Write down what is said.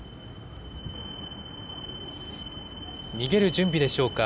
逃げる準備でしょうか。